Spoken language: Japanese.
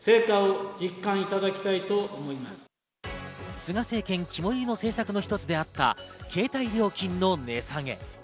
菅政権肝いりの政策の一つであった、携帯料金の値下げ。